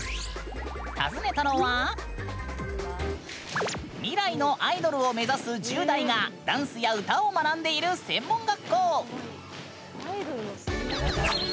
訪ねたのは未来のアイドルを目指す１０代がダンスや歌を学んでいる専門学校。